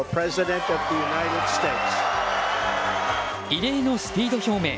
異例のスピード表明。